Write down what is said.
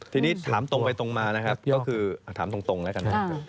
ทีนี้ถามตรงไปตรงมานะครับก็คือถามตรงแล้วกันนะครับ